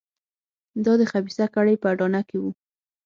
دا د خبیثه کړۍ په اډانه کې وو.